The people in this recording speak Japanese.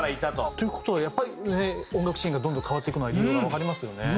という事はやっぱり音楽シーンがどんどん変わっていくのは理由がわかりますよね。